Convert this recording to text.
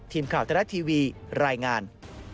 ทีมข่าวทรัฐทีวีรายงาน